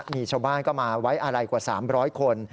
มีชาวบ้านก็มาไว้อะไรกว่า๓๐๐คน